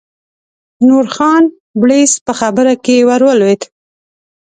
نورخان بړیڅ په خبره کې ور ولوېد.